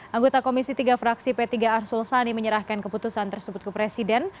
anggota komisi tiga fraksi p tiga arsul sani menyerahkan keputusan tersebut ke presiden